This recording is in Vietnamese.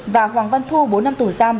và hoàng văn thu bốn năm tù giam